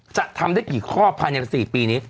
จะทำได้กี่ข้อภายใน๔ปีนี้